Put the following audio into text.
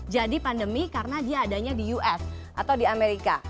pandemi karena dia adanya di us atau di amerika